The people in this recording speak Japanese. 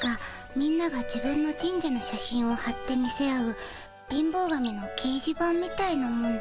みんなが自分の神社の写真をはって見せ合う貧乏神のけいじ板みたいなもんです。